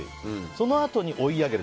そのあとに追い上げる。